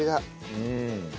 うん。